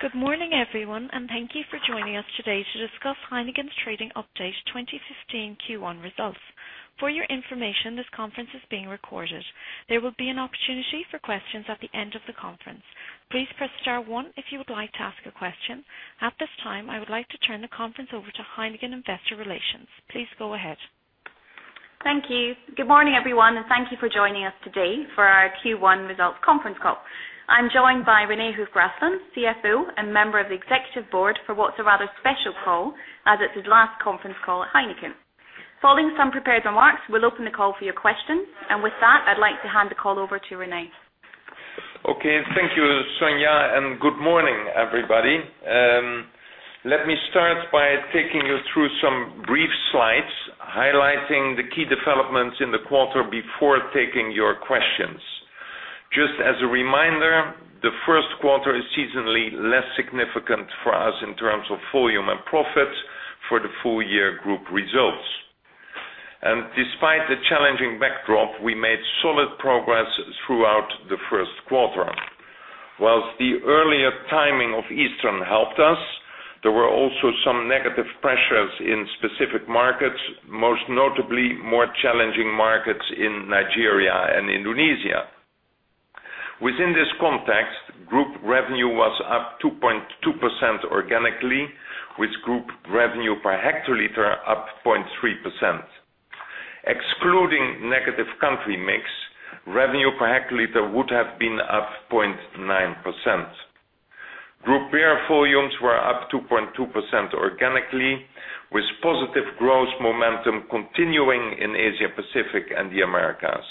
Good morning, everyone. Thank you for joining us today to discuss Heineken's Trading Update 2015 Q1 results. For your information, this conference is being recorded. There will be an opportunity for questions at the end of the conference. Please press star one if you would like to ask a question. At this time, I would like to turn the conference over to Heineken Investor Relations. Please go ahead. Thank you. Good morning, everyone. Thank you for joining us today for our Q1 results conference call. I'm joined by René Hooft Graafland, CFO and member of the Executive Board for what's a rather special call, as it's his last conference call at Heineken. Following some prepared remarks, we will open the call for your questions. With that, I'd like to hand the call over to René. Okay. Thank you, Sonya. Good morning, everybody. Let me start by taking you through some brief slides highlighting the key developments in the quarter before taking your questions. Just as a reminder, the first quarter is seasonally less significant for us in terms of volume and profit for the full year group results. Despite the challenging backdrop, we made solid progress throughout the first quarter. Whilst the earlier timing of Easter helped us, there were also some negative pressures in specific markets, most notably more challenging markets in Nigeria and Indonesia. Within this context, group revenue was up 2.2% organically, with group revenue per hectoliter up 0.3%. Excluding negative country mix, revenue per hectoliter would have been up 0.9%. Group beer volumes were up 2.2% organically, with positive growth momentum continuing in Asia Pacific and the Americas.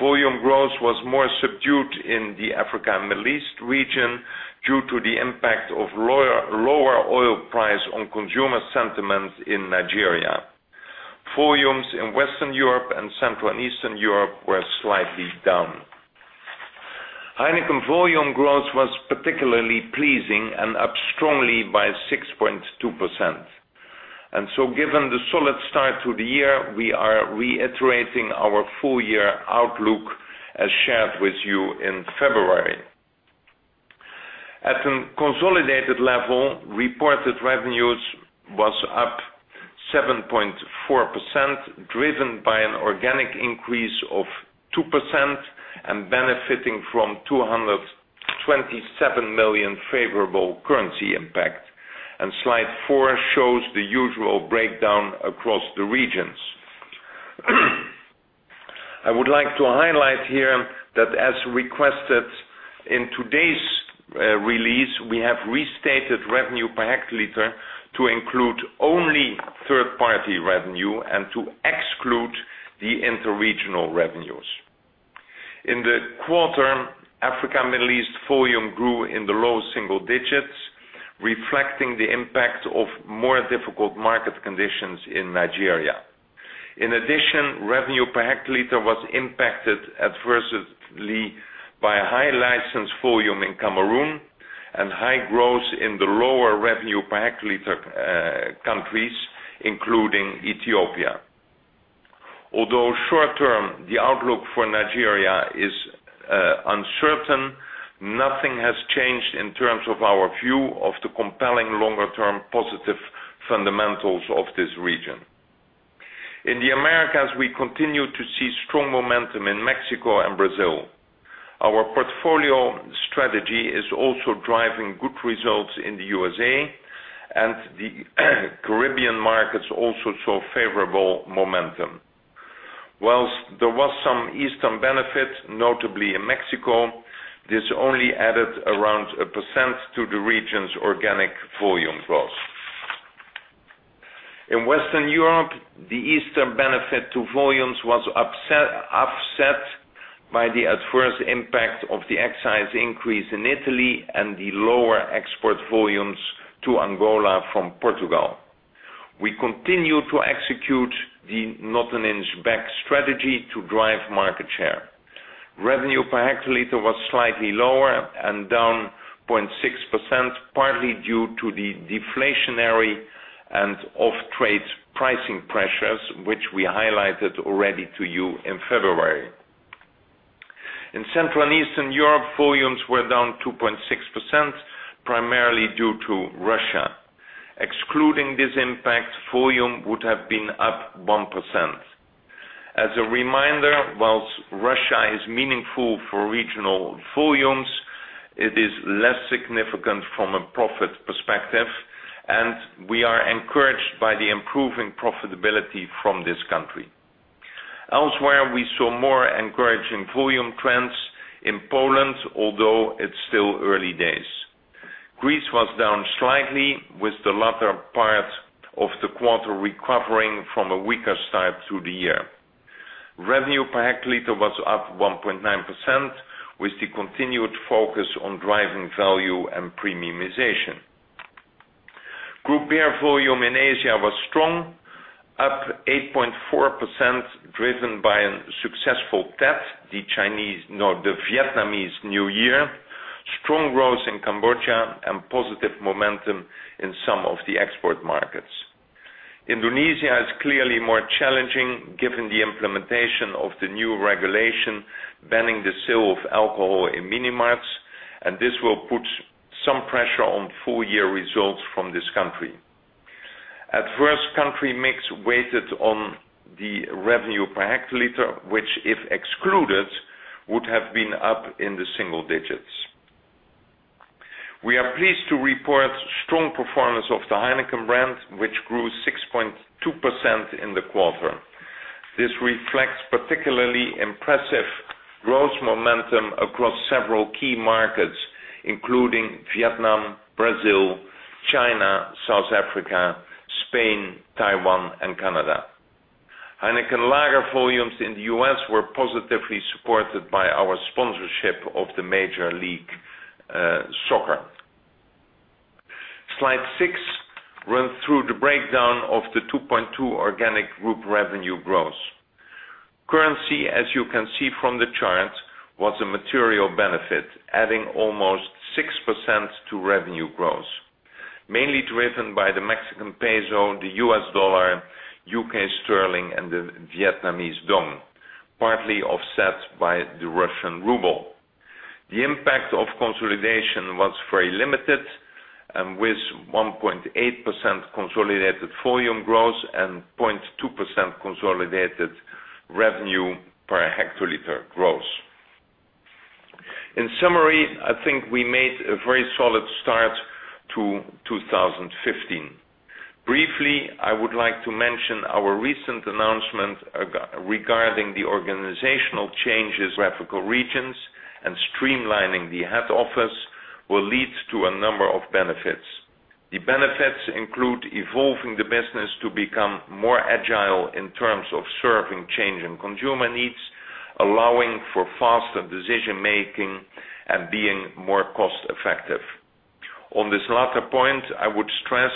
Volume growth was more subdued in the Africa and Middle East region due to the impact of lower oil price on consumer sentiment in Nigeria. Volumes in Western Europe and Central and Eastern Europe were slightly down. Heineken volume growth was particularly pleasing and up strongly by 6.2%. Given the solid start to the year, we are reiterating our full year outlook as shared with you in February. At a consolidated level, reported revenues was up 7.4%, driven by an organic increase of 2% and benefiting from 227 million favorable currency impact. Slide four shows the usual breakdown across the regions. I would like to highlight here that as requested in today's release, we have restated revenue per hectoliter to include only third-party revenue and to exclude the interregional revenues. In the quarter, Africa, Middle East volume grew in the low single digits, reflecting the impact of more difficult market conditions in Nigeria. In addition, revenue per hectoliter was impacted adversely by a high license volume in Cameroon and high growth in the lower revenue per hectoliter countries, including Ethiopia. Although short-term, the outlook for Nigeria is uncertain, nothing has changed in terms of our view of the compelling longer-term positive fundamentals of this region. In the Americas, we continue to see strong momentum in Mexico and Brazil. Our portfolio strategy is also driving good results in the U.S.A., and the Caribbean markets also saw favorable momentum. Whilst there was some Easter benefit, notably in Mexico, this only added around 1% to the region's organic volume growth. In Western Europe, the Easter benefit to volumes was offset by the adverse impact of the excise increase in Italy and the lower export volumes to Angola from Portugal. We continue to execute the Not an Inch Back strategy to drive market share. Revenue per hectoliter was slightly lower and down 0.6%, partly due to the deflationary and off-trade pricing pressures, which we highlighted already to you in February. In Central and Eastern Europe, volumes were down 2.6%, primarily due to Russia. Excluding this impact, volume would have been up 1%. As a reminder, whilst Russia is meaningful for regional volumes, it is less significant from a profit perspective, and we are encouraged by the improving profitability from this country. Elsewhere, we saw more encouraging volume trends in Poland, although it's still early days. Greece was down slightly with the latter part of the quarter recovering from a weaker start to the year. Revenue per hectoliter was up 1.9% with the continued focus on driving value and premiumization. Group beer volume in Asia was strong, up 8.4%, driven by a successful Tet, the Vietnamese New Year, strong growth in Cambodia, and positive momentum in some of the export markets. Indonesia is clearly more challenging given the implementation of the new regulation banning the sale of alcohol in minimarts, and this will put some pressure on full-year results from this country. Adverse country mix weighted on the revenue per hectoliter, which if excluded, would have been up in the single digits. We are pleased to report strong performance of the Heineken brand, which grew 6.2% in the quarter. This reflects particularly impressive growth momentum across several key markets, including Vietnam, Brazil, China, South Africa, Spain, Taiwan and Canada. Heineken lager volumes in the U.S. were positively supported by our sponsorship of the Major League Soccer. Slide six runs through the breakdown of the 2.2% organic group revenue growth. Currency, as you can see from the chart, was a material benefit, adding almost 6% to revenue growth, mainly driven by the Mexican peso, the U.S. dollar, U.K. sterling, and the Vietnamese đồng, partly offset by the Russian ruble. The impact of consolidation was very limited with 1.8% consolidated volume growth and 0.2% consolidated revenue per hectoliter growth. In summary, I think we made a very solid start to 2015. Briefly, I would like to mention our recent announcement regarding the organizational changes, geographical regions, and streamlining the head office will lead to a number of benefits. The benefits include evolving the business to become more agile in terms of serving changing consumer needs, allowing for faster decision-making, and being more cost-effective. On this latter point, I would stress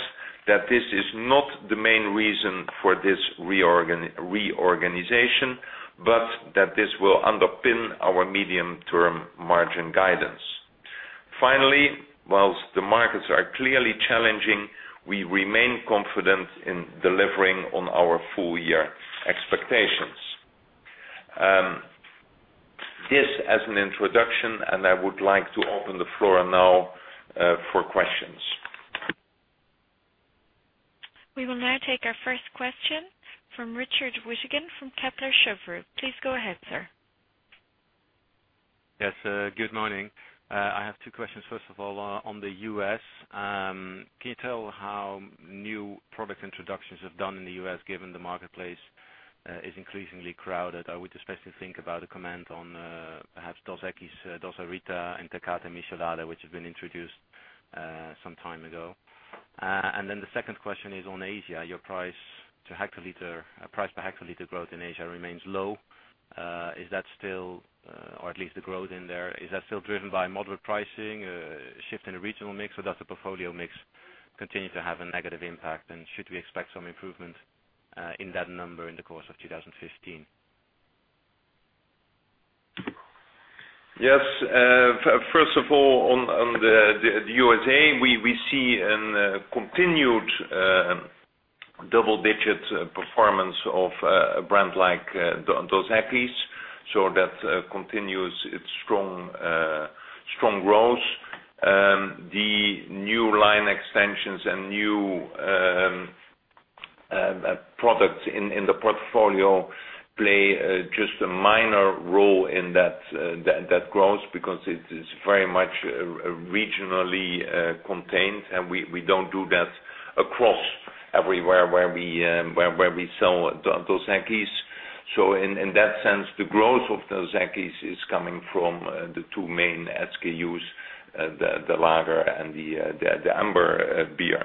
that this is not the main reason for this reorganization, but that this will underpin our medium-term margin guidance. Finally, whilst the markets are clearly challenging, we remain confident in delivering on our full-year expectations. This as an introduction, I would like to open the floor now for questions. We will now take our first question from Richard Withagen from Kepler Cheuvreux. Please go ahead, sir. Yes, good morning. I have two questions. First of all, on the U.S., can you tell how new product introductions have done in the U.S. given the marketplace is increasingly crowded? I would especially think about a comment on perhaps Dos Equis, Dos-A-Rita, and Tecate Michelada, which have been introduced some time ago. The second question is on Asia. Your price per hectoliter growth in Asia remains low. At least the growth in there, is that still driven by moderate pricing, a shift in the regional mix, or does the portfolio mix continue to have a negative impact, and should we expect some improvement in that number in the course of 2015? Yes. First of all, on the U.S.A., we see a continued double-digit performance of a brand like Dos Equis. That continues its strong growth. The new line extensions and new products in the portfolio play just a minor role in that growth because it is very much regionally contained, and we don't do that across everywhere where we sell Dos Equis. In that sense, the growth of Dos Equis is coming from the two main SKUs, the lager and the amber beer.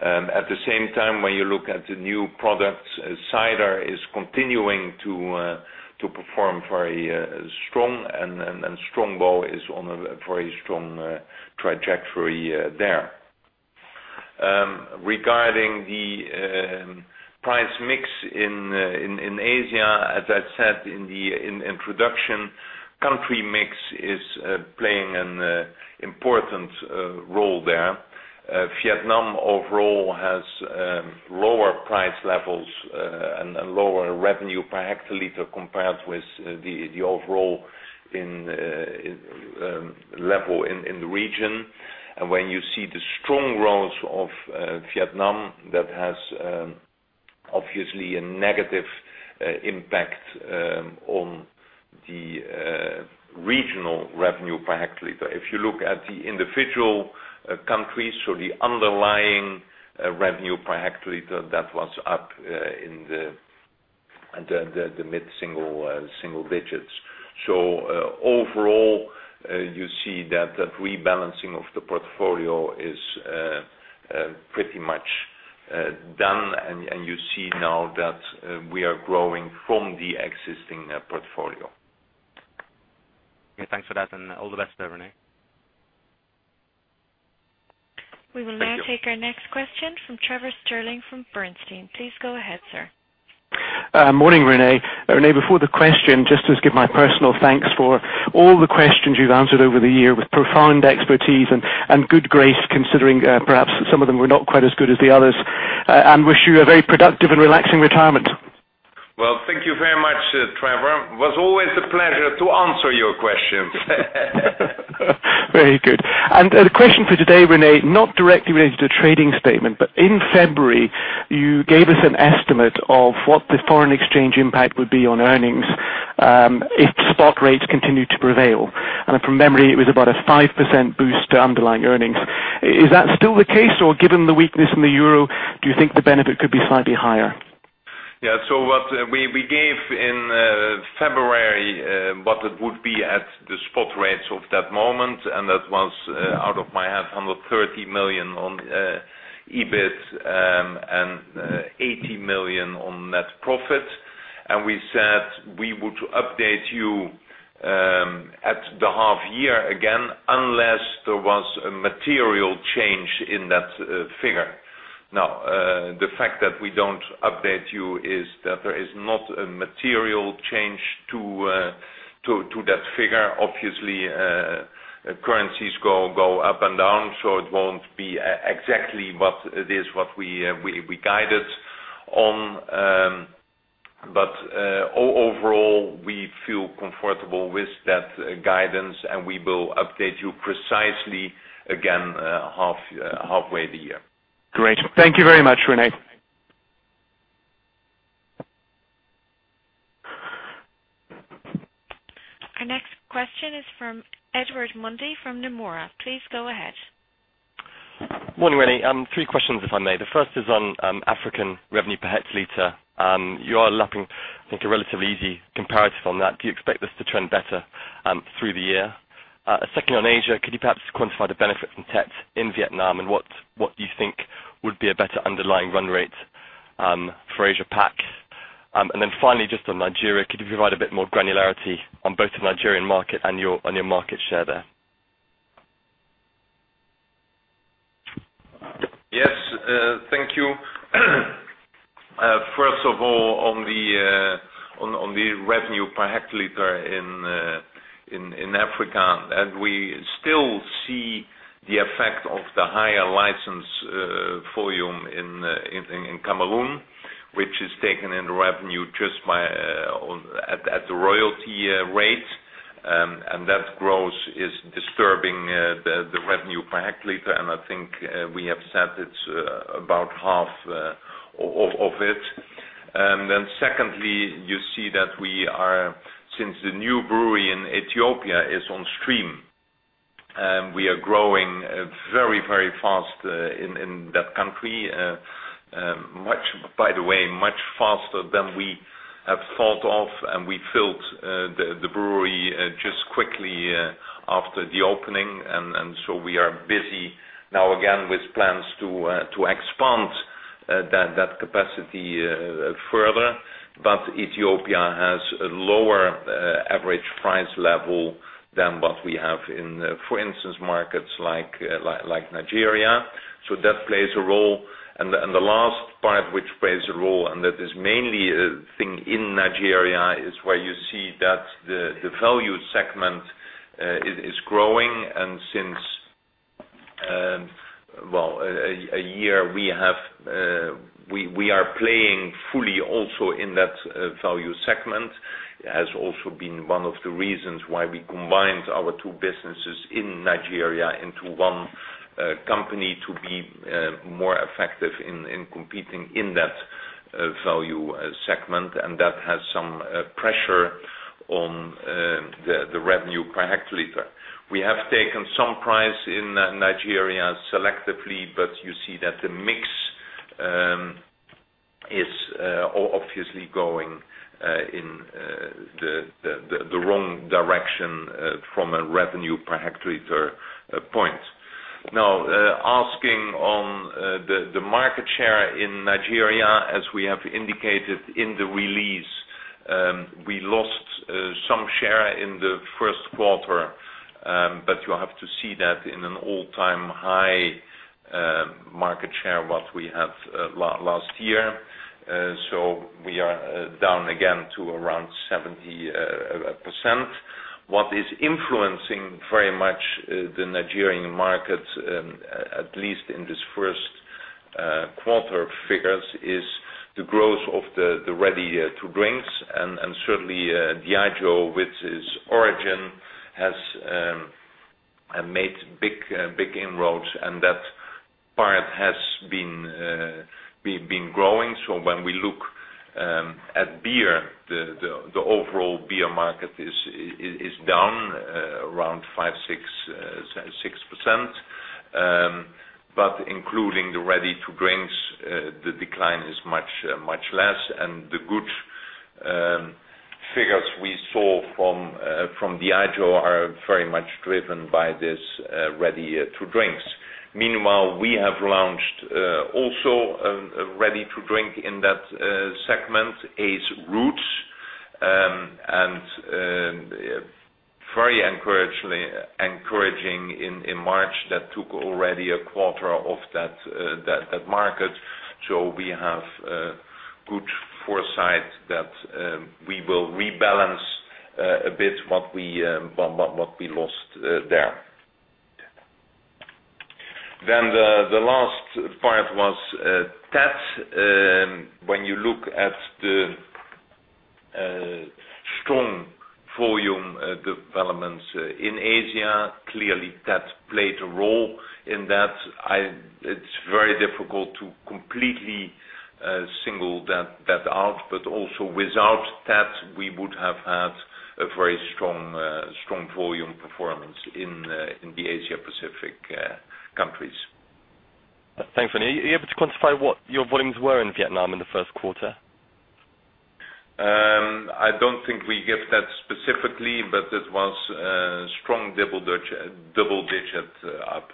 At the same time, when you look at the new products, cider is continuing to perform very strong, and Strongbow is on a very strong trajectory there. Regarding the price mix in Asia, as I said in the introduction, country mix is playing an important role there. Vietnam overall has lower price levels and lower revenue per hectoliter compared with the overall level in the region. When you see the strong growth of Vietnam, that has obviously a negative impact on the regional revenue per hectoliter. If you look at the individual countries, so the underlying revenue per hectoliter, that was up in the mid-single digits. Overall, you see that rebalancing of the portfolio is pretty much done, and you see now that we are growing from the existing portfolio. Okay, thanks for that, and all the best, René. We will now take our next question from Trevor Stirling from Bernstein. Please go ahead, sir. Morning, René. René, before the question, just to give my personal thanks for all the questions you've answered over the year with profound expertise and good grace, considering perhaps some of them were not quite as good as the others, and wish you a very productive and relaxing retirement. Well, thank you very much, Trevor. It was always a pleasure to answer your questions. Very good. The question for today, René, not directly related to the trading statement, but in February, you gave us an estimate of what the foreign exchange impact would be on earnings, if spot rates continued to prevail. From memory, it was about a 5% boost to underlying earnings. Is that still the case, or given the weakness in the euro, do you think the benefit could be slightly higher? What we gave in February, what it would be at the spot rates of that moment, and that was out of my head, 130 million on EBIT and 80 million on net profit. We said we would update you at the half year again, unless there was a material change in that figure. The fact that we don't update you is that there is not a material change to that figure. Obviously, currencies go up and down, so it won't be exactly what it is, what we guided on. Overall, we feel comfortable with that guidance, and we will update you precisely again, halfway the year. Great. Thank you very much, René. Our next question is from Edward Mundy from Nomura. Please go ahead. Morning, René. Three questions, if I may. The first is on African revenue per hectoliter. You are lapping, I think, a relatively easy comparison on that. Do you expect this to trend better through the year? Second, on Asia, could you perhaps quantify the benefit from Tet in Vietnam and what you think would be a better underlying run rate for Asia Pack? Finally, just on Nigeria, could you provide a bit more granularity on both the Nigerian market and your market share there? Yes, thank you. First of all, on the revenue per hectoliter in Africa, we still see the effect of the higher license volume in Cameroon, which is taken into revenue at the royalty rate. That growth is disturbing the revenue per hectoliter, I think we have said it's about half of it. Secondly, you see that since the new brewery in Ethiopia is on stream, we are growing very, very fast in that country. By the way, much faster than we have thought of, we filled the brewery just quickly after the opening. So we are busy now again with plans to expand that capacity further. Ethiopia has a lower average price level than what we have in, for instance, markets like Nigeria. That plays a role. The last part which plays a role, that is mainly a thing in Nigeria, is where you see that the value segment is growing. Since a year, we are playing fully also in that value segment. It has also been one of the reasons why we combined our two businesses in Nigeria into one company to be more effective in competing in that value segment. That has some pressure on the revenue per hectoliter. We have taken some price in Nigeria selectively, you see that the mix is obviously going in the wrong direction from a revenue per hectoliter point. Now, asking on the market share in Nigeria, as we have indicated in the release, we lost some share in the first quarter, you have to see that in an all-time high market share, what we have last year. We are down again to around 70%. What is influencing very much the Nigerian market, at least in this first quarter figures, is the growth of the ready-to-drinks. Certainly, Diageo, with its Orijin, has made big inroads, and that part has been growing. When we look at beer, the overall beer market is down around 5%-6%, but including the ready-to-drinks, the decline is much less. The good figures we saw from Diageo are very much driven by these ready-to-drinks. Meanwhile, we have launched also a ready-to-drink in that segment, Ace Roots. Very encouraging in March that took already a quarter of that market. We have good foresight that we will rebalance a bit what we lost there. The last part was Tet. When you look at the strong volume developments in Asia, clearly Tet played a role in that. It's very difficult to completely single that out. Also without Tet, we would have had a very strong volume performance in the Asia Pacific countries. Thanks. Are you able to quantify what your volumes were in Vietnam in the first quarter? I don't think we give that specifically, but it was a strong double-digit up.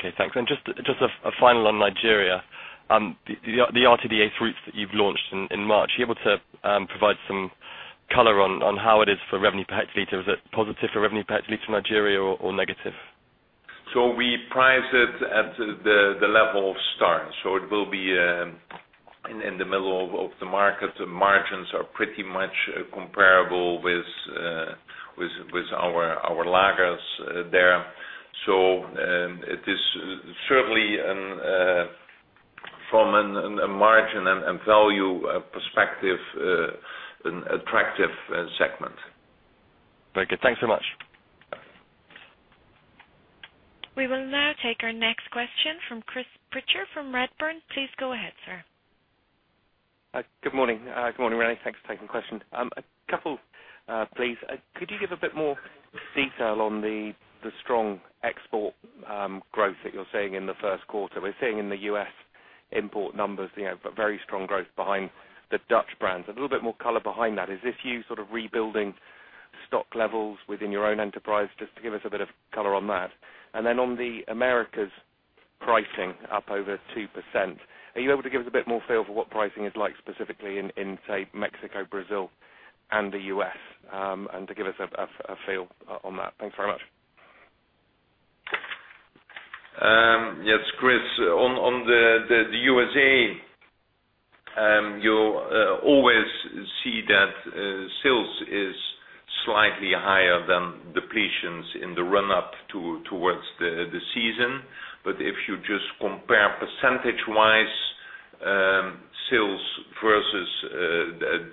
Okay, thanks. Just a final on Nigeria. The RTD Ace Roots that you've launched in March, are you able to provide some color on how it is for revenue per hectoliter? Is it positive for revenue per hectoliter in Nigeria or negative? We price it at the level of Star. It will be in the middle of the market. The margins are pretty much comparable with our lagers there. It is certainly from a margin and value perspective, an attractive segment. Very good. Thanks so much. We will now take our next question from Chris Pitcher from Redburn. Please go ahead, sir. Good morning. Good morning, René. Thanks for taking the question. A couple, please. Could you give a bit more detail on the strong export growth that you're seeing in the first quarter? We're seeing in the U.S. import numbers, very strong growth behind the Dutch brands. A little bit more color behind that. Is this you sort of rebuilding stock levels within your own enterprise? Just to give us a bit of color on that. On the Americas pricing up over 2%, are you able to give us a bit more feel for what pricing is like specifically in, say, Mexico, Brazil, and the U.S., and to give us a feel on that? Thanks very much. Yes, Chris. On the U.S., you always see that sales is slightly higher than depletions in the run up towards the season. If you just compare percentage-wise, sales versus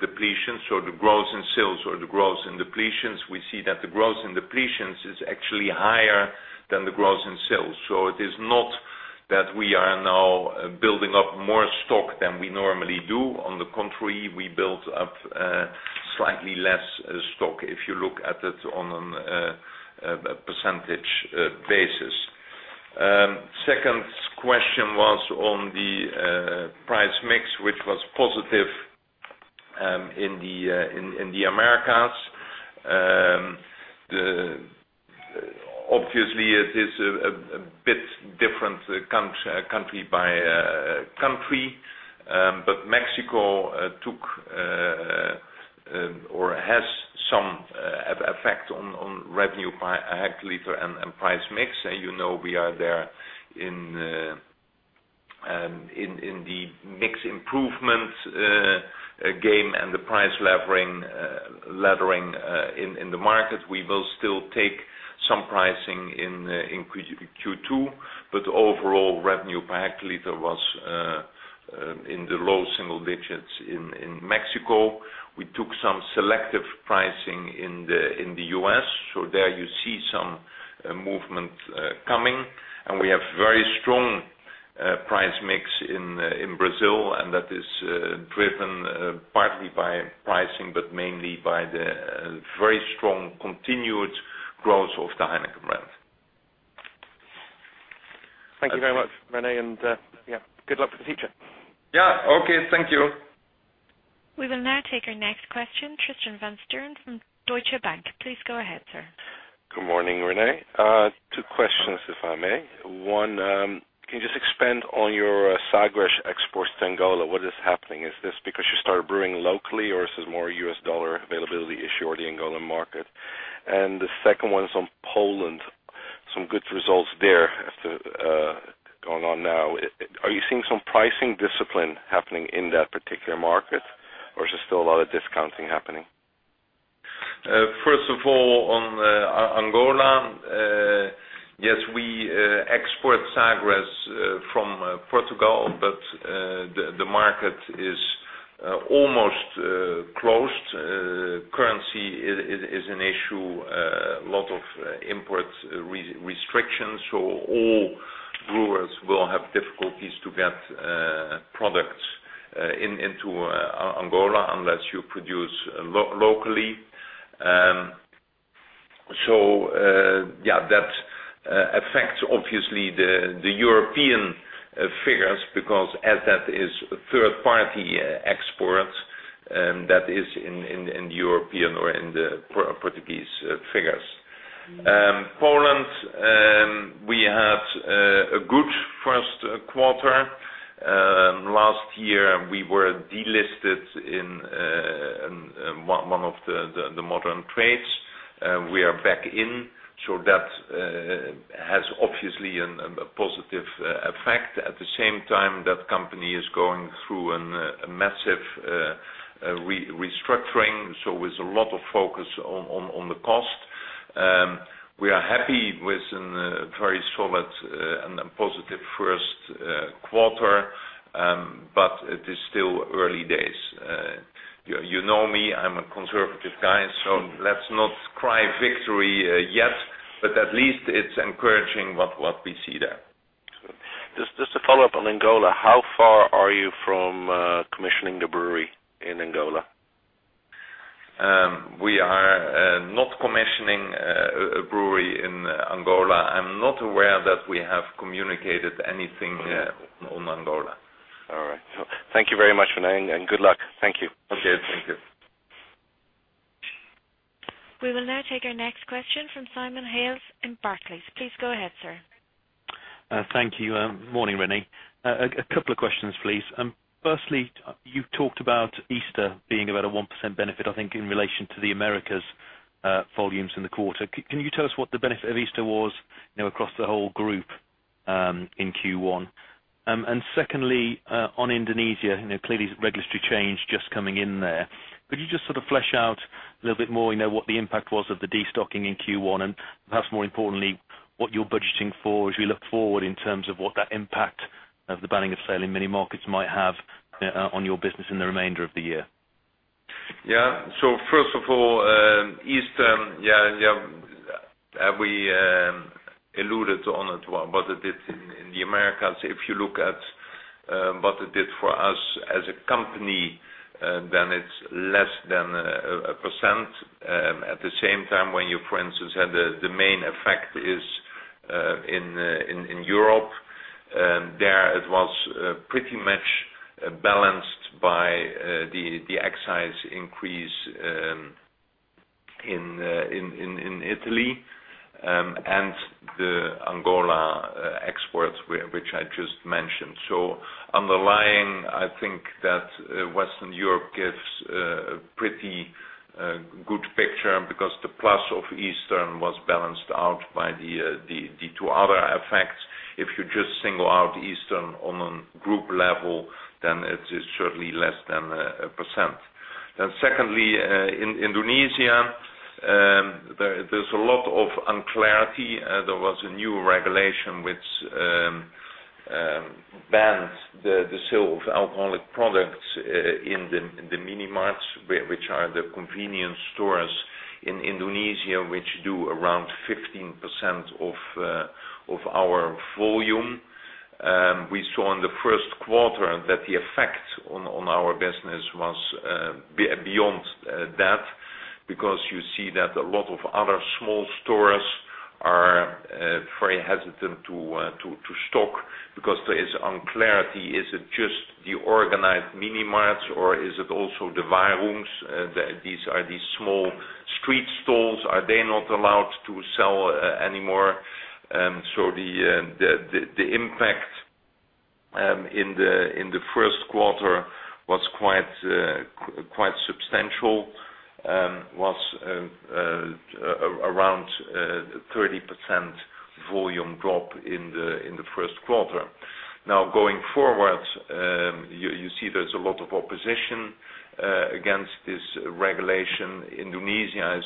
depletions or the growth in sales or the growth in depletions, we see that the growth in depletions is actually higher than the growth in sales. It is not that we are now building up more stock than we normally do. On the contrary, we built up slightly less stock, if you look at it on a percentage basis. Second question was on the price mix, which was positive in the Americas. Obviously, it is a bit different country by country. Mexico took or has some effect on revenue per hectoliter and price mix. You know we are there in the mix improvement game and the price levering in the market. We will still take some pricing in Q2. Overall revenue per hectoliter was in the low single digits in Mexico. We took some selective pricing in the U.S. There you see some movement coming. We have very strong price mix in Brazil, and that is driven partly by pricing, but mainly by the very strong continued growth of the Heineken brand. Thank you very much, René. Good luck for the future. Yeah. Okay. Thank you. We will now take our next question, Tristan van Strien from Deutsche Bank. Please go ahead, sir. Good morning, René. Two questions, if I may. One, can you just expand on your Sagres exports to Angola? What is happening? Is this because you started brewing locally, or is this more U.S. dollar availability issue or the Angolan market? The second one is on Poland. Some good results there going on now. Are you seeing some pricing discipline happening in that particular market, or is there still a lot of discounting happening? First of all, on Angola, yes, we export Sagres from Portugal. The market is almost closed. Currency is an issue, a lot of import restrictions. All brewers will have difficulties to get products into Angola unless you produce locally. Yeah, that affects obviously the European figures because as that is third-party export, that is in European or in the Portuguese figures. Poland, we had a good first quarter. Last year, we were delisted in one of the modern trades. We are back in, so that has obviously a positive effect. At the same time, that company is going through a massive restructuring. There's a lot of focus on the cost. We are happy with a very solid and positive first quarter, but it is still early days. You know me, I'm a conservative guy. Let's not cry victory yet, but at least it's encouraging what we see there. Just to follow up on Angola, how far are you from commissioning the brewery in Angola? We are not commissioning a brewery in Angola. I'm not aware that we have communicated anything on Angola. All right. Thank you very much, René, and good luck. Thank you. Okay. Thank you. We will now take our next question from Simon Hales in Barclays. Please go ahead, sir. Thank you. Morning, René. A couple of questions, please. Firstly, you talked about Easter being about a 1% benefit, I think, in relation to the Americas volumes in the quarter. Can you tell us what the benefit of Easter was across the whole group, in Q1? Secondly, on Indonesia, clearly there's a regulatory change just coming in there. Could you just flesh out a little bit more, what the impact was of the destocking in Q1 and perhaps more importantly, what you're budgeting for as we look forward in terms of what that impact of the banning of sale in many markets might have on your business in the remainder of the year? First of all, Easter. We alluded on it, what it did in the Americas. If you look at what it did for us as a company, it's less than 1%. At the same time, when you, for instance, had the main effect is in Europe, there it was pretty much balanced by the excise increase in Italy, the Angola exports, which I just mentioned. Underlying, I think that Western Europe gives a pretty good picture because the plus of Easter was balanced out by the two other effects. If you just single out Easter on a group level, it is certainly less than 1%. Secondly, in Indonesia, there's a lot of unclarity. There was a new regulation which banned the sale of alcoholic products in the mini marts, which are the convenience stores in Indonesia, which do around 15% of our volume. We saw in the first quarter that the effect on our business was beyond that, because you see that a lot of other small stores are very hesitant to stock because there is unclarity. Is it just the organized mini marts, or is it also the warungs? These are these small street stalls. Are they not allowed to sell anymore? The impact in the first quarter was quite substantial, was around a 30% volume drop in the first quarter. Going forward, you see there's a lot of opposition against this regulation. Indonesia is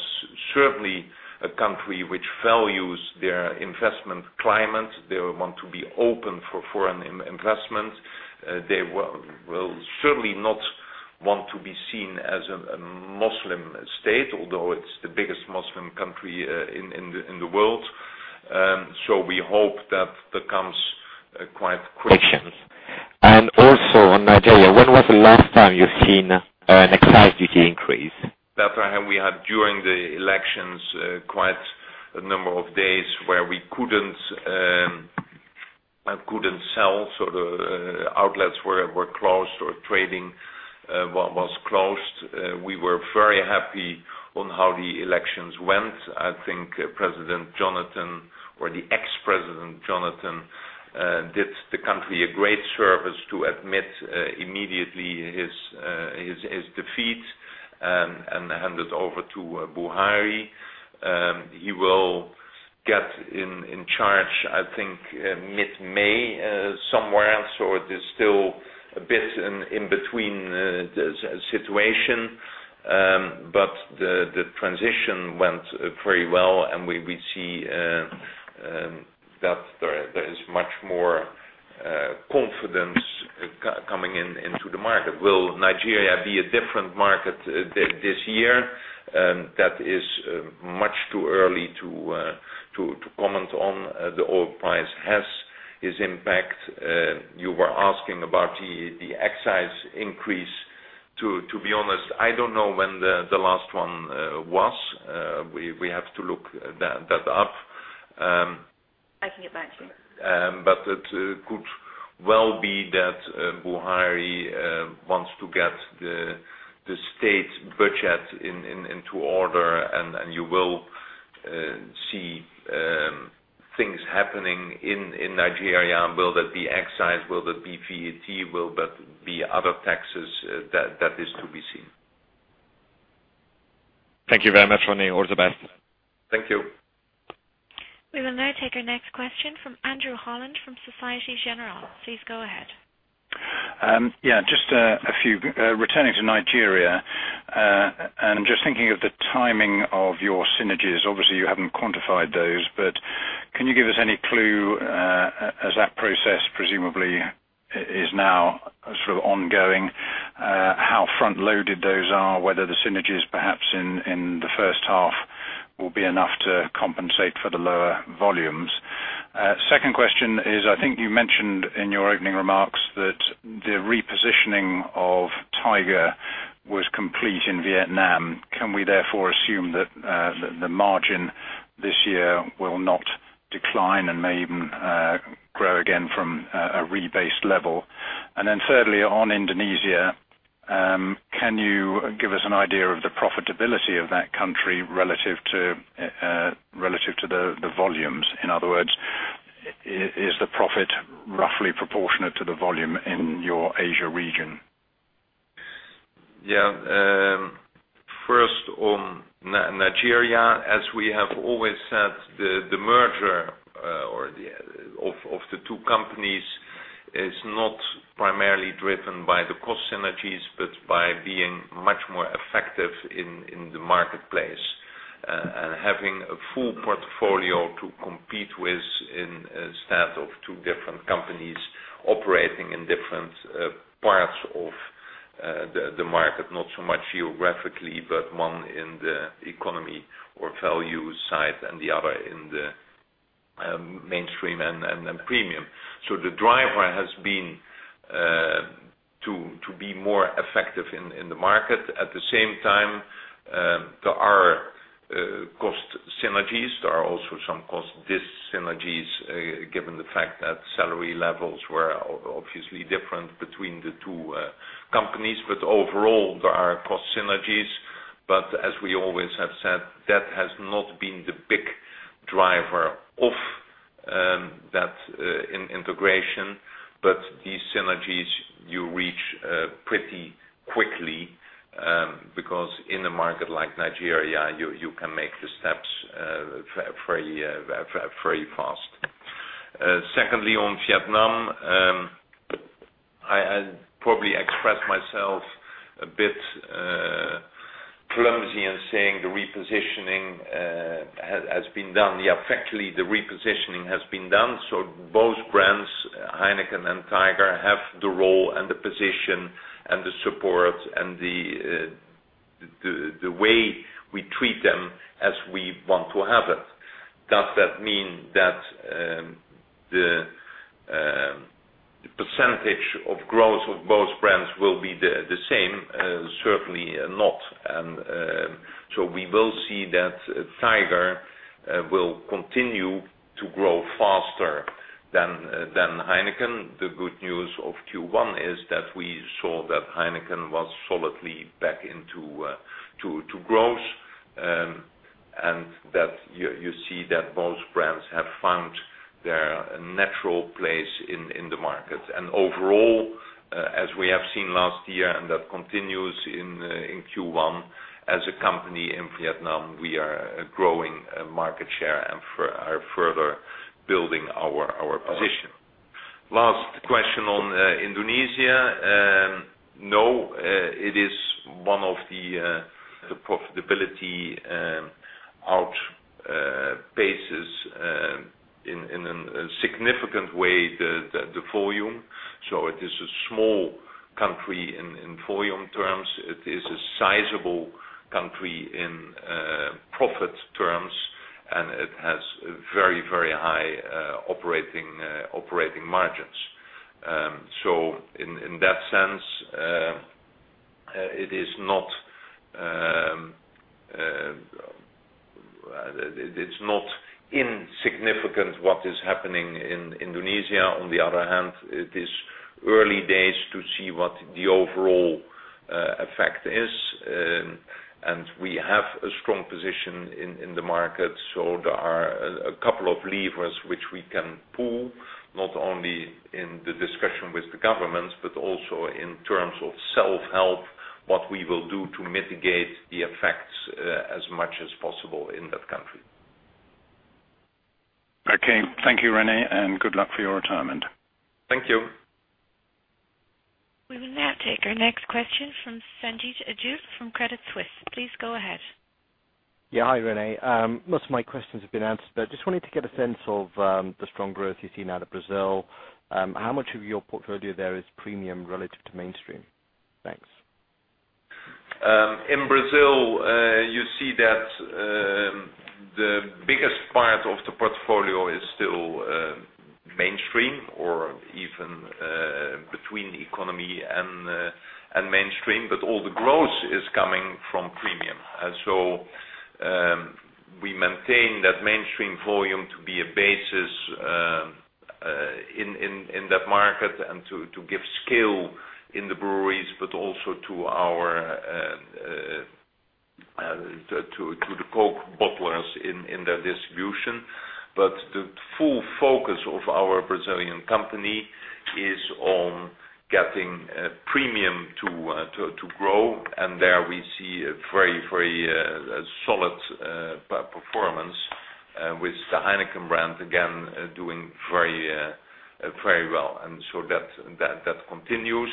certainly a country which values their investment climate. They want to be open for foreign investment. They will certainly not want to be seen as a Muslim state, although it's the biggest Muslim country in the world. We hope that that comes quite quickly. Also on Nigeria, when was the last time you've seen an excise duty increase? That we had during the elections, quite a number of days where we couldn't sell. The outlets were closed or trading was closed. We were very happy on how the elections went. I think President Jonathan or the ex-President Jonathan, did the country a great service to admit immediately his defeat and hand it over to Buhari. He will get in charge, I think, mid-May, somewhere. It is still a bit in between situation. The transition went very well, and we see that there is much more confidence coming into the market. Will Nigeria be a different market this year? That is much too early to comment on. The oil price has its impact. You were asking about the excise increase. To be honest, I don't know when the last one was. We have to look that up. I can get back to you. It could well be that Buhari wants to get the state budget into order, and you will see things happening in Nigeria. Will that be excise? Will that be VAT? Will that be other taxes? That is to be seen. Thank you very much, René. All the best. Thank you. We will now take our next question from Andrew Holland from Societe Generale. Please go ahead. Just a few. Returning to Nigeria, just thinking of the timing of your synergies. Obviously, you haven't quantified those, but can you give us any clue, as that process presumably is now sort of ongoing, how front-loaded those are, whether the synergies perhaps in the first half will be enough to compensate for the lower volumes? Second question is, I think you mentioned in your opening remarks that the repositioning of Tiger was complete in Vietnam. Can we therefore assume that the margin this year will not decline and may even grow again from a rebased level? Thirdly, on Indonesia, can you give us an idea of the profitability of that country relative to the volumes? In other words, is the profit roughly proportionate to the volume in your Asia region? First on Nigeria, as we have always said, the merger of the two companies is not primarily driven by the cost synergies but by being much more effective in the marketplace and having a full portfolio to compete with instead of two different companies operating in different parts of the market, not so much geographically, but one in the economy or value side and the other in the mainstream and then premium. The driver has been to be more effective in the market. At the same time, there are cost synergies. There are also some cost dyssynergies, given the fact that salary levels were obviously different between the two companies. Overall, there are cost synergies. As we always have said, that has not been the big driver of that integration. These synergies you reach pretty quickly because in a market like Nigeria, you can make the steps very fast. Secondly, on Vietnam, I probably expressed myself a bit clumsy in saying the repositioning has been done. Effectively the repositioning has been done. Both brands, Heineken and Tiger, have the role and the position and the support and the way we treat them as we want to have it. Does that mean that the percentage of growth of both brands will be the same? Certainly not. We will see that Tiger will continue to grow faster than Heineken. The good news of Q1 is that we saw that Heineken was solidly back into growth, and that you see that both brands have found their natural place in the market. Overall, as we have seen last year, that continues in Q1, as a company in Vietnam, we are growing market share and are further building our position. Last question on Indonesia. No, it is one of the profitability outpaces in a significant way the volume. It is a small country in volume terms. It is a sizable country in profit terms, and it has very, very high operating margins. In that sense, it is not insignificant what is happening in Indonesia. On the other hand, it is early days to see what the overall effect is. We have a strong position in the market. There are a couple of levers which we can pull, not only in the discussion with the governments, but also in terms of self-help, what we will do to mitigate the effects as much as possible in that country. Okay. Thank you, René, good luck for your retirement. Thank you. We will now take our next question from Sanjeet Aujla from Credit Suisse. Please go ahead. Hi, René. Most of my questions have been answered. Just wanted to get a sense of the strong growth you're seeing out of Brazil. How much of your portfolio there is premium relative to mainstream? Thanks. In Brazil, you see that the biggest part of the portfolio is still mainstream or even between economy and mainstream. All the growth is coming from premium. We maintain that mainstream volume to be a basis in that market and to give skill in the breweries, but also to the Coca-Cola bottlers in their distribution. The full focus of our Brazilian company is on getting premium to grow. There we see a very solid performance with the Heineken brand again doing very well. That continues.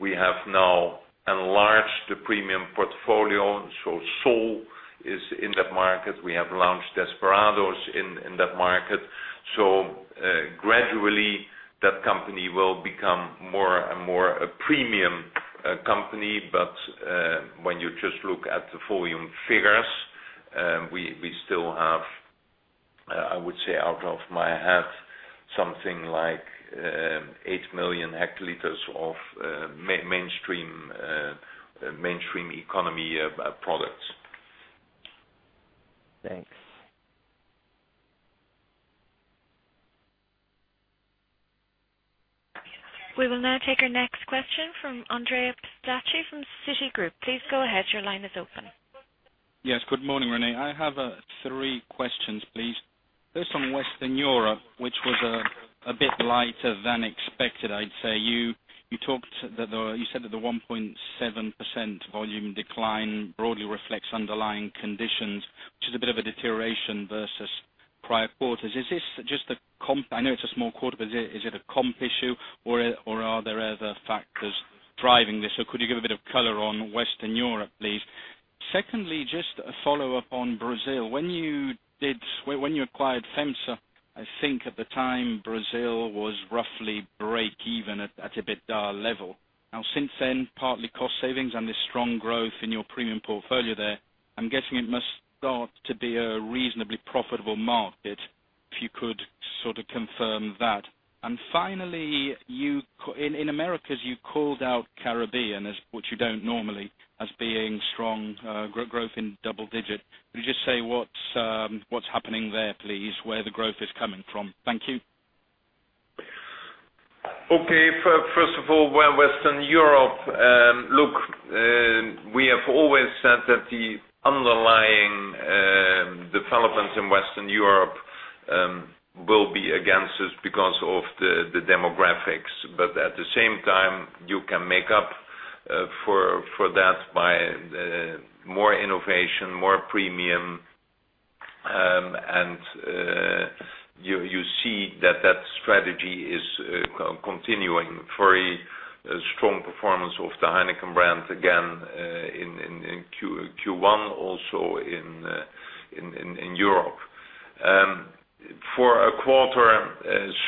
We have now enlarged the premium portfolio. Sol is in that market. We have launched Desperados in that market. Gradually, that company will become more and more a premium company. When you just look at the volume figures, we still have, I would say out of my head, something like 8 million hectoliters of mainstream economy products. Thanks. We will now take our next question from Andrea Pistacchi from Citigroup. Please go ahead. Your line is open. Yes. Good morning, René. I have three questions, please. First, on Western Europe, which was a bit lighter than expected, I'd say. You said that the 1.7% volume decline broadly reflects underlying conditions, which is a bit of a deterioration versus prior quarters. I know it's a small quarter, is it a comp issue or are there other factors driving this? Could you give a bit of color on Western Europe, please? Secondly, just a follow-up on Brazil. When you acquired FEMSA, I think at the time Brazil was roughly break even at EBITDA level. Since then, partly cost savings and the strong growth in your premium portfolio there, I'm guessing it must start to be a reasonably profitable market, if you could sort of confirm that. Finally, in Americas, you called out Caribbean, which you don't normally, as being strong growth in double digit. Could you just say what's happening there, please, where the growth is coming from? Thank you. First of all, Western Europe. Look, we have always said that the underlying developments in Western Europe will be against us because of the demographics. At the same time, you can make up for that by more innovation, more premium, and you see that that strategy is continuing. Very strong performance of the Heineken brand again in Q1, also in Europe. For a quarter,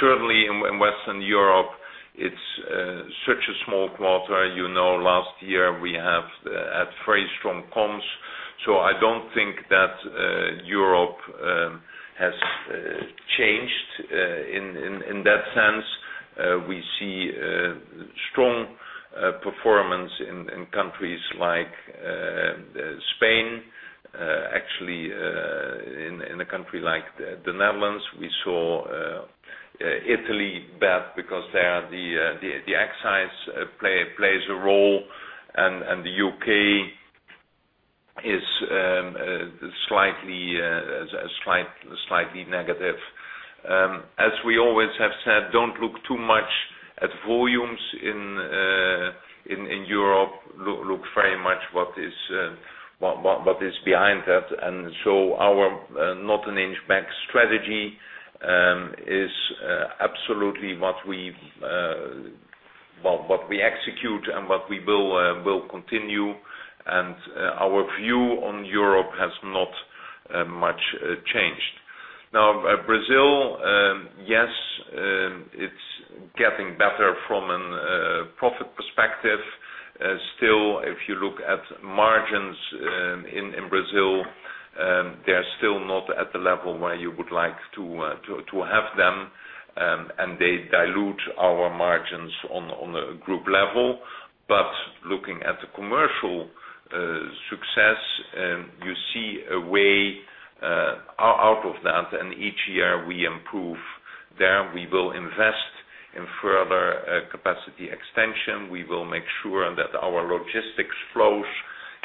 certainly in Western Europe, it's such a small quarter. You know, last year we have had very strong comps. I don't think that Europe has changed in that sense. We see strong performance in countries like Spain. Actually, in a country like the Netherlands. We saw Italy bad because there, the excise plays a role, and the U.K. is slightly negative. As we always have said, don't look too much at volumes in Europe. Look very much what is behind that. Our Not an Inch Back strategy is absolutely what we execute and what we will continue, and our view on Europe has not much changed. Brazil, yes, it's getting better from a profit perspective. Still, if you look at margins in Brazil, they're still not at the level where you would like to have them, and they dilute our margins on a group level. Looking at the commercial success, you see a way out of that, and each year we improve there. We will invest in further capacity extension. We will make sure that our logistics flows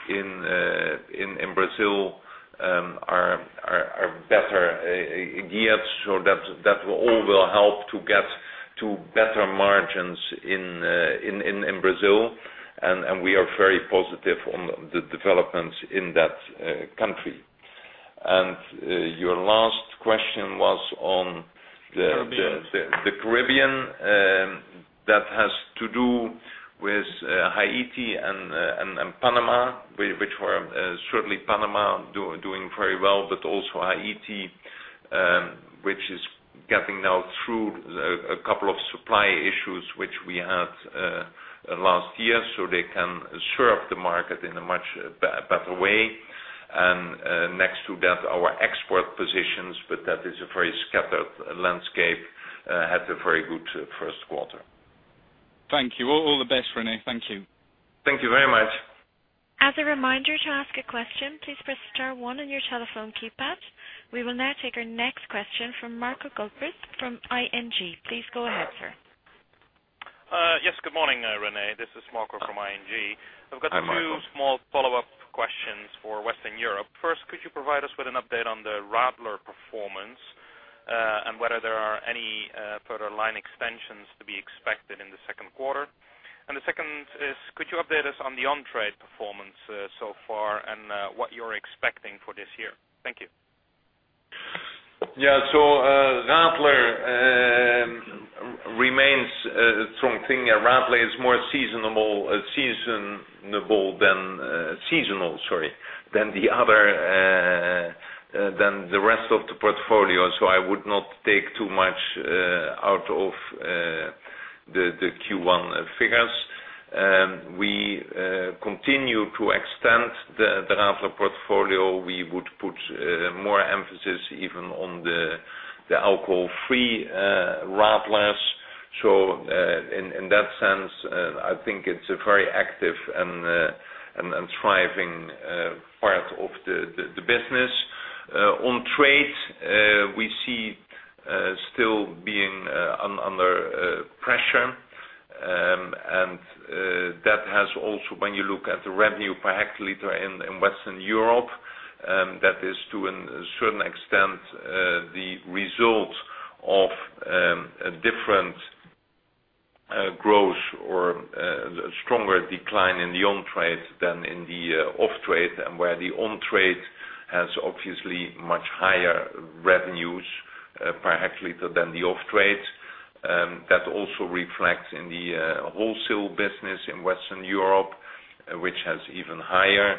in Brazil are better geared so that all will help to get to better margins in Brazil. We are very positive on the developments in that country. Your last question was on- The Caribbean The Caribbean. That has to do with Haiti and Panama. Certainly Panama doing very well, but also Haiti, which is getting now through a couple of supply issues which we had last year, so they can serve the market in a much better way. Next to that, our export positions, but that is a very scattered landscape, had a very good first quarter. Thank you. All the best, René. Thank you. Thank you very much. As a reminder, to ask a question, please press star one on your telephone keypad. We will now take our next question from Marco Gulpers from ING. Please go ahead, sir. Yes. Good morning, René. This is Marco from ING. Hi, Marco. I've got two small follow-up questions for Western Europe. First, could you provide us with an update on the Radler performance, and whether there are any further line extensions to be expected in the second quarter? The second is, could you update us on the on-trade performance so far and what you're expecting for this year? Thank you. Yeah. Radler remains a strong thing. Radler is more seasonal than the rest of the portfolio, I would not take too much out of the Q1 figures. We continue to extend the Radler portfolio. We would put more emphasis even on the alcohol-free Radlers. In that sense, I think it's a very active and thriving part of the business. On-trade, we see still being under pressure. That has also, when you look at the revenue per hectoliter in Western Europe, that is to a certain extent, the result of a different growth or a stronger decline in the on-trade than in the off-trade, and where the on-trade has obviously much higher revenues per hectoliter than the off-trade. That also reflects in the wholesale business in Western Europe, which has even higher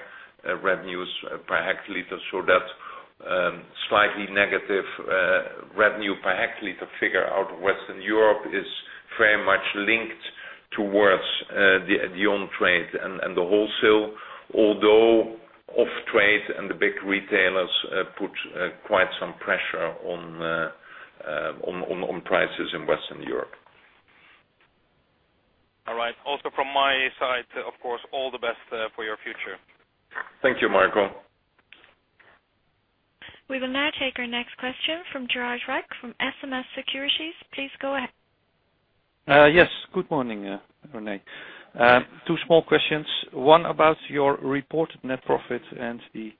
revenues per hectoliter. That slightly negative revenue per hectoliter figure out of Western Europe is very much linked towards the on-trade and the wholesale, although off-trade and the big retailers put quite some pressure on prices in Western Europe. All right. Also from my side, of course, all the best for your future. Thank you, Marco. We will now take our next question from Gerard Rijk from SNS Securities. Please go ahead. Yes. Good morning, René. Two small questions. One about your reported net profit and the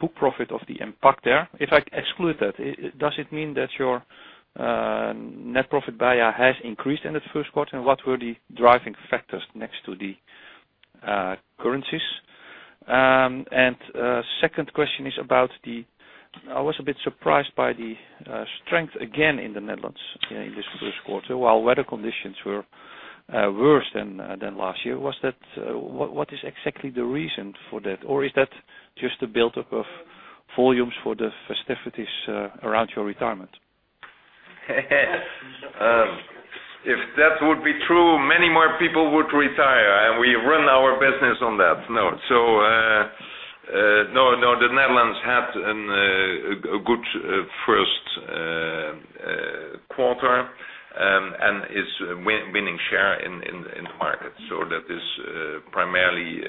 book profit of the impact there. If I exclude that, does it mean that your net profit, beia, has increased in the first quarter, and what were the driving factors next to the currencies? Second question is, I was a bit surprised by the strength again in the Netherlands in this first quarter, while weather conditions were worse than last year. What is exactly the reason for that? Or is that just a buildup of volumes for the festivities around your retirement? If that would be true, many more people would retire, and we run our business on that. No. The Netherlands had a good first quarter, and is winning share in the market. That is primarily a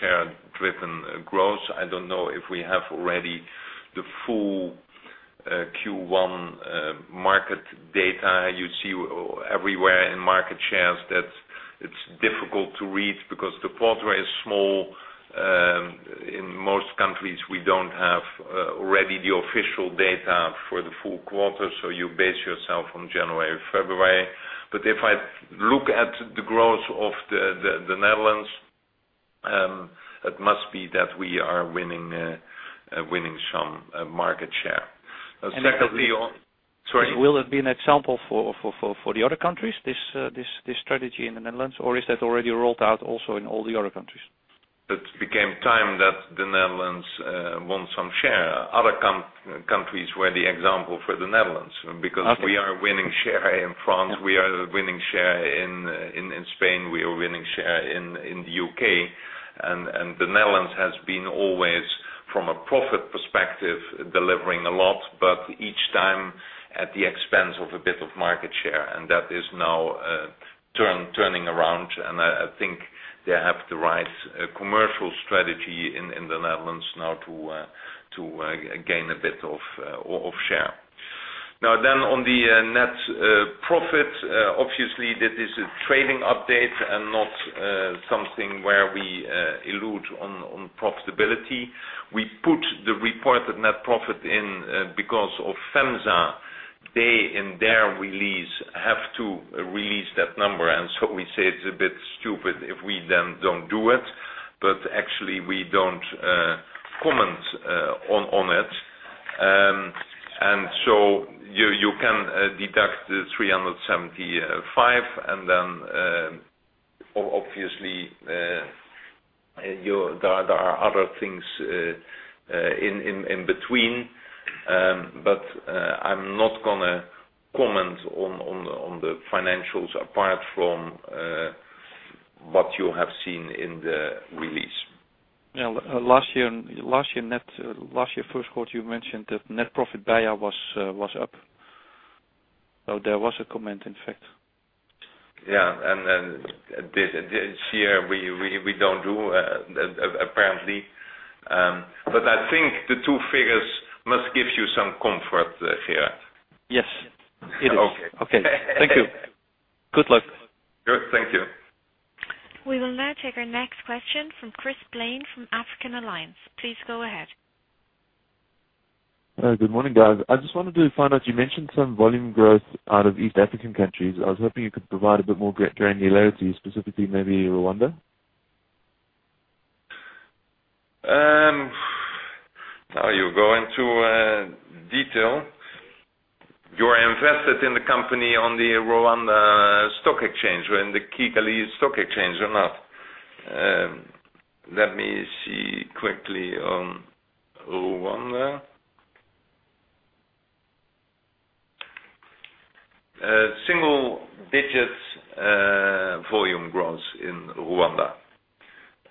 share-driven growth. I don't know if we have already the full Q1 market data. You see everywhere in market shares that it's difficult to read because the quarter is small. In most countries, we don't have already the official data for the full quarter, you base yourself on January, February. If I look at the growth of the Netherlands, it must be that we are winning some market share. Sorry. Will it be an example for the other countries, this strategy in the Netherlands, or is that already rolled out also in all the other countries? It became time that the Netherlands won some share. Other countries were the example for the Netherlands, because we are winning share in France, we are winning share in Spain, we are winning share in the U.K. The Netherlands has been always, from a profit perspective, delivering a lot, but each time at the expense of a bit of market share. That is now turning around, and I think they have the right commercial strategy in the Netherlands now to gain a bit of share. On the net profit, obviously that is a trading update and not something where we elude on profitability. We put the reported net profit in because of FEMSA. They, in their release, have to release that number, we say it's a bit stupid if we then don't do it. We don't comment on it. You can deduct the EUR 375, and then obviously, there are other things in between. I'm not going to comment on the financials apart from what you have seen in the release. Yeah. Last year, first quarter, you mentioned that net profit beia was up. There was a comment, in fact. Yeah. This year, we don't do apparently. I think the two figures must give you some comfort here. Yes. It is. Okay. Okay. Thank you. Good luck. Good. Thank you. We will now take our next question from Chris Blaine from African Alliance. Please go ahead. Hello. Good morning, guys. I just wanted to find out, you mentioned some volume growth out of East African countries. I was hoping you could provide a bit more granularity, specifically maybe Rwanda. You go into detail. You are invested in the company on the Rwanda Stock Exchange, in the Kigali Stock Exchange or not? Let me see quickly on Rwanda. Single digits volume growth in Rwanda.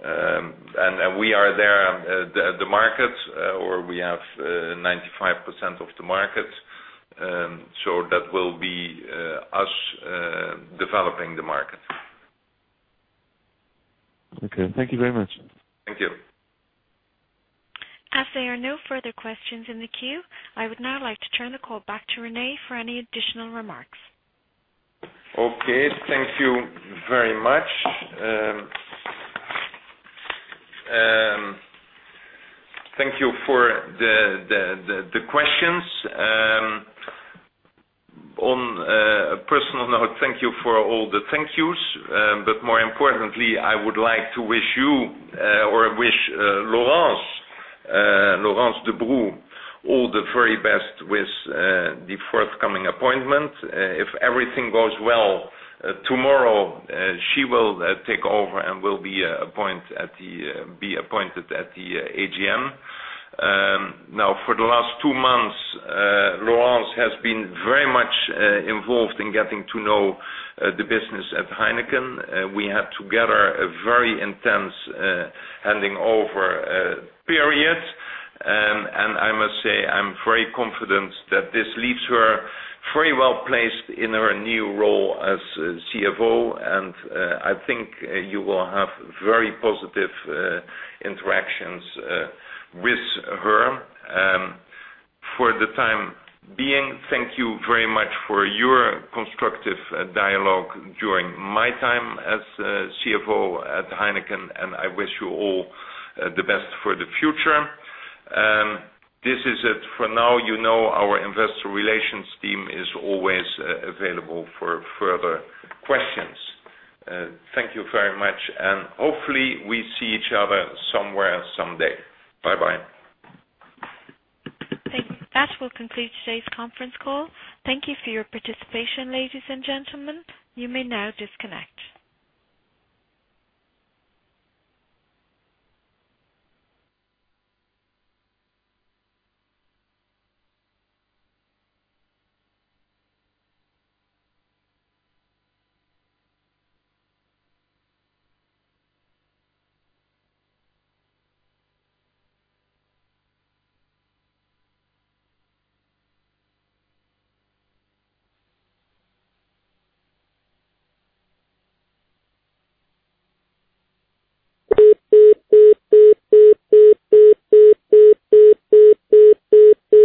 We are there at the market, or we have 95% of the market. That will be us developing the market. Okay. Thank you very much. Thank you. As there are no further questions in the queue, I would now like to turn the call back to René for any additional remarks. Okay. Thank you very much. Thank you for the questions. On a personal note, thank you for all the thank yous. More importantly, I would like to wish you, or wish Laurence Debroux all the very best with the forthcoming appointment. If everything goes well, tomorrow she will take over and will be appointed at the AGM. Now, for the last two months, Laurence has been very much involved in getting to know the business at Heineken. We had together a very intense handing over period. I must say, I'm very confident that this leaves her very well-placed in her new role as CFO, and I think you will have very positive interactions with her. For the time being, thank you very much for your constructive dialogue during my time as CFO at Heineken, and I wish you all the best for the future. This is it for now. You know our investor relations team is always available for further questions. Thank you very much, and hopefully we see each other somewhere someday. Bye-bye. That will conclude today's conference call. Thank you for your participation, ladies and gentlemen. You may now disconnect.